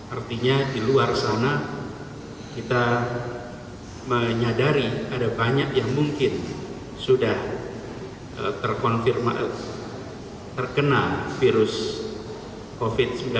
artinya di luar sana kita menyadari ada banyak yang mungkin sudah terkonfirmasi terkena virus covid sembilan belas